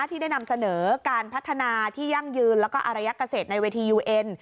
ที่ได้นำเสนอการพัฒนาที่ยั่งยืนแล้วก็อารยักษ์ในเวทียูเอ็น